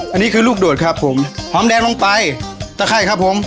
อันนี้คือลูกโดดครับผมหอมแดงลงไปตะไข้ครับผม